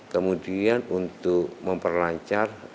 kemudian untuk memperlancar